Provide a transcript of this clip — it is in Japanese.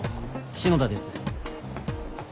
篠田です。